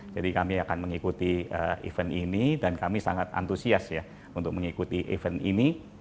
jadi kami akan mengikuti event ini dan kami sangat antusias ya untuk mengikuti event ini